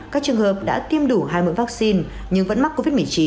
các trường hợp đã tiêm đủ hai mươi vaccine nhưng vẫn mắc covid một mươi chín